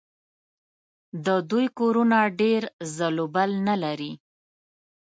د دوی کورونه ډېر ځل و بل نه لري.